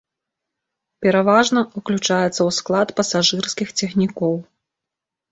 Пераважна, уключаецца ў склад пасажырскіх цягнікоў.